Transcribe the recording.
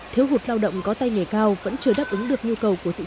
thiếu hụt lao động có tay nghề cao vẫn chưa đáp ứng được nhu cầu của thị trường